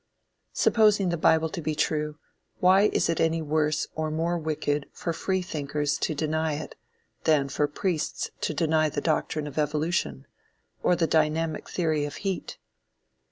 Supposing the bible to be true; why is it any worse or more wicked for free thinkers to deny it, than for priests to deny the doctrine of Evolution, or the dynamic theory of heat?